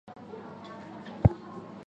欢迎大家一起来练功